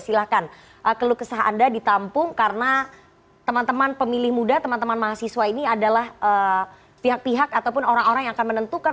silahkan keluh kesah anda ditampung karena teman teman pemilih muda teman teman mahasiswa ini adalah pihak pihak ataupun orang orang yang akan menentukan